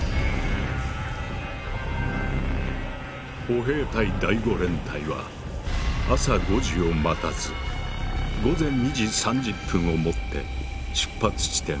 歩兵第５連隊は朝５時を待たず午前２時３０分をもって出発地点